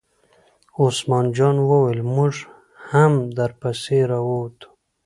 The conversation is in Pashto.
عثمان جان وویل: موږ هم در پسې را ووتو.